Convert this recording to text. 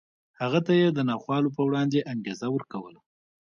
هغه ته یې د ناخوالو په وړاندې انګېزه ورکوله